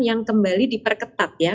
yang kembali diperketat ya